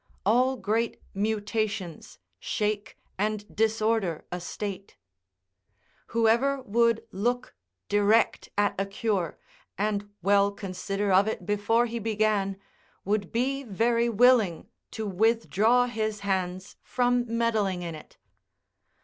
All great mutations shake and disorder a state. Whoever would look direct at a cure, and well consider of it before he began, would be very willing to withdraw his hands from meddling in it.